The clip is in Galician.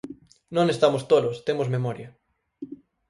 Non estamos tolos, temos memoria.